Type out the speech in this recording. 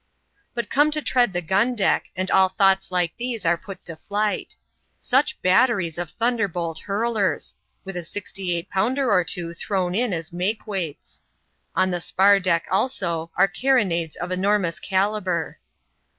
But come to tread the gun deck, and all thoughts like these are put to flight. Such batteries of thunderbolt hurlers ! with a sixty eight pounder or two thrown in as make weights. On the spar deck, also, are carronades of enormous calibre.